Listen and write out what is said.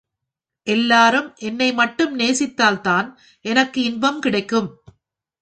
எல்லாரும் என்னை மட்டும் நேசித்தால்தான் எனக்கு இன்பம் கிடைக்கும்.